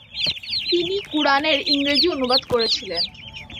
তিনি কুরআনের ইংরেজি অনুবাদ করেছিলেন।